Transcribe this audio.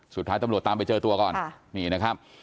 สุดท้ายตำรวจตามไปเจอตัวก่อนนี่นะครับ